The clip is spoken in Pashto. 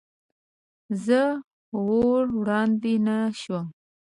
زه ور وړاندې نه شوم.